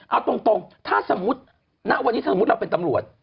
เอาตรงถ้าสมมุติวันนี้เราเป็นตำรวจ